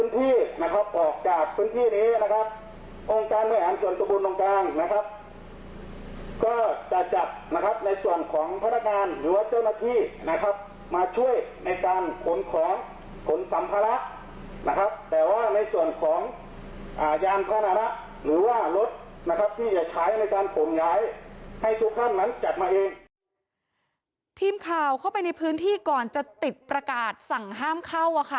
ทีมข่าวเข้าไปในพื้นที่ก่อนจะติดประกาศสั่งห้ามเข้าอะค่ะ